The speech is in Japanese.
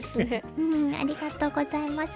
ウフフありがとうございます。